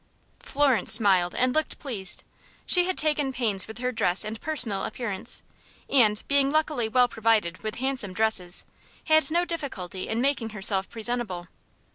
Florence smiled, and looked pleased. She had taken pains with her dress and personal appearance, and, being luckily well provided with handsome dresses, had no difficulty in making herself presentable.